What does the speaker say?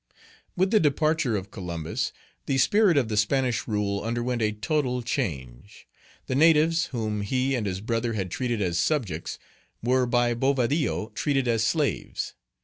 With the departure of Columbus, the spirit of the Spanish rule underwent a total change. The natives, whom he and his brother had treated as subjects, were by Bovadillo treated as slaves.